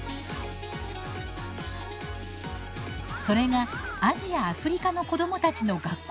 それがアジア・アフリカの子どもたちの学校